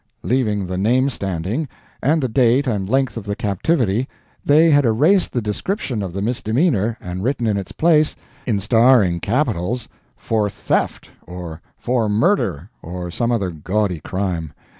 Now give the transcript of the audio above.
Leaving the name standing, and the date and length of the captivity, they had erased the description of the misdemeanor, and written in its place, in staring capitals, "FOR THEFT!" or "FOR MURDER!" or some other gaudy crime.